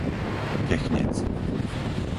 Kechnec